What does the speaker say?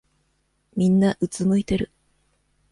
みんなうつむいてる。